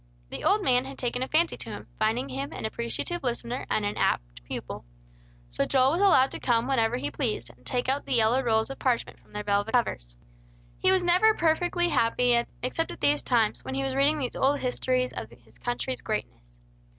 The old man had taken a fancy to him, finding him an appreciative listener and an apt pupil. So Joel was allowed to come whenever he pleased, and take out the yellow rolls of parchment from their velvet covers. He was never perfectly happy except at these times, when he was reading these old histories of his country's greatness.